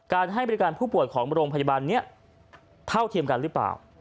ให้บริการผู้ป่วยของโรงพยาบาลนี้เท่าเทียมกันหรือเปล่า